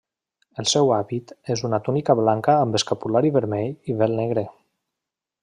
El seu hàbit és una túnica blanca amb escapulari vermell i vel negre.